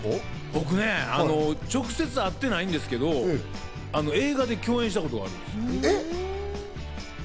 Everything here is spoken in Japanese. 僕ね、直接会ってないんですけど、映画で共演したことあります。